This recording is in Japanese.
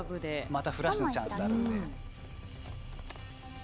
またフラッシュのチャンスがあります。